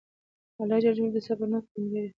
الله جل جلاله د صبرناکو ملګری دئ!